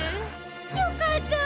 よかった！